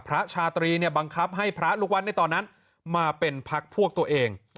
ชาตรีเนี่ยบังคับให้พระลูกวัดในตอนนั้นมาเป็นพักพวกตัวเอง